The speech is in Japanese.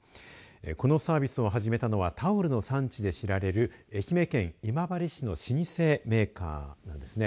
このサービスを始めたのはタオルの産地で知られる愛媛県今治市の老舗メーカーです。